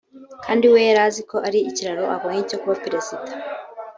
kandi we yari azi ko ari ikiraro abonye cyo kuba Perezida